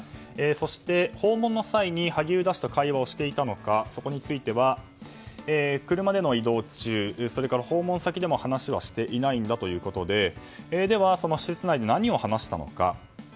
そして、訪問の際に萩生田氏と会話していたのかについては車での移動中それから訪問先でも話はしていないんだということででは、その施設内で何を話したのか。